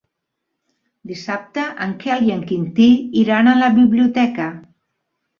Dissabte en Quel i en Quintí iran a la biblioteca.